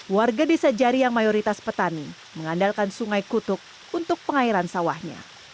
warga desa jari yang mayoritas petani mengandalkan sungai kutuk untuk pengairan sawahnya